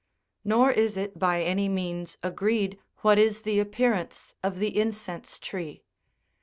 Nor is it by any means agreed what is the appearance of the incense tree.